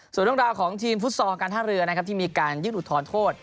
ส่วนต้องราวของทีมฟุตซอร์การท่าเรือที่มีการยืดอุดทอนโทษ